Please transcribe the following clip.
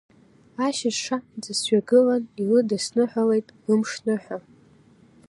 Ашьыжь шаанӡа сҩагылан илыдысныҳәалеит, лымшныҳәа…